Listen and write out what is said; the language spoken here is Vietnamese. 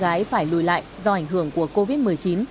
gái phải lùi lại do ảnh hưởng của covid một mươi chín